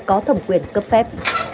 có thẩm quyền cấp phép